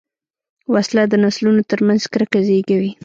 وسله د نسلونو تر منځ کرکه زېږوي